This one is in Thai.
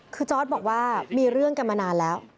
คือจอร์ดบอกว่ามีเรื่องกันมานานแล้ว